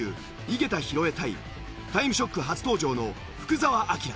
井桁弘恵対『タイムショック』初登場の福澤朗。